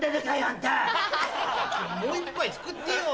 もう一杯作ってよ。